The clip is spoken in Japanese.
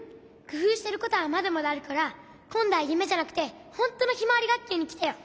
くふうしてることはまだまだあるからこんどはゆめじゃなくてほんとのひまわりがっきゅうにきてよ。